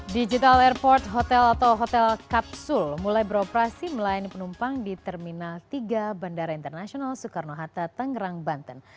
digital airport hotel atau hotel kapsul mulai beroperasi melayani penumpang di terminal tiga bandara internasional soekarno hatta tangerang banten